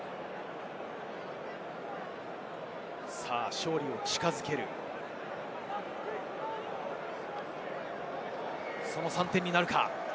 勝利を近づける、その３点になるか？